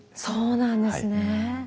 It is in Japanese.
そうなんですね。